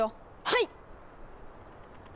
はい！